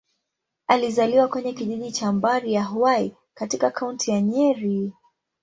Alizaliwa kwenye kijiji cha Mbari-ya-Hwai, katika Kaunti ya Nyeri.